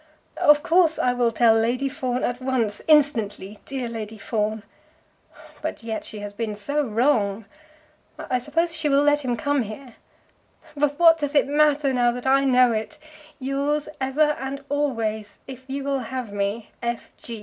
"Of course I will tell Lady Fawn at once; instantly. Dear Lady Fawn! But yet she has been so wrong. I suppose she will let him come here. But what does it matter, now that I know it?" "Yours ever and always, if you will have me.